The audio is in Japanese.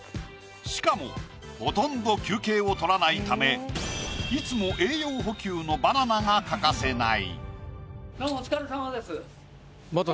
しかもほとんど休憩を取らないためいつも栄養補給のバナナが欠かせない。